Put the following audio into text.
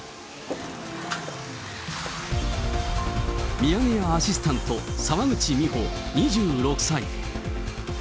ミヤネ屋アシスタント、澤口実歩２６歳。